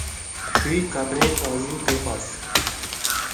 Çûyî qebrê tazî û pêxwas